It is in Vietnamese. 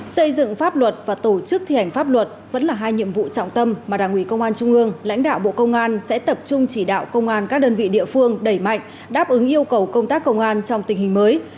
xây dựng pháp luật và tổ chức thi hành pháp luật vẫn là hai nhiệm vụ trọng tâm mà đảng ủy công an trung ương lãnh đạo bộ công an sẽ tập trung chỉ đạo công an các đơn vị địa phương đẩy mạnh đáp ứng yêu cầu công tác công an trong tình hình mới